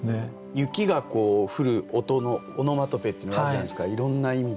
雪が降る音のオノマトペっていうのあるじゃないですかいろんな意味で。